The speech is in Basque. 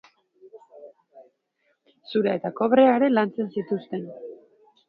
Zura eta kobrea ere lantzen zituzten.